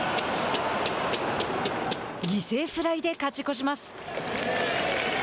犠牲フライで勝ち越します。